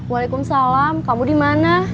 waalaikumsalam kamu dimana